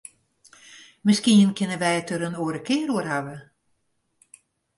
Miskien kinne wy it der in oare kear oer hawwe.